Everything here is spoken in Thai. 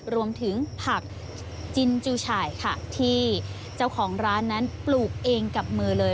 รวมถึงผักจินจูฉ่ายค่ะที่เจ้าของร้านนั้นปลูกเองกับมือเลย